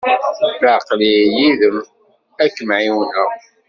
Aql-i yid-m ad kem-ɛiwneɣ.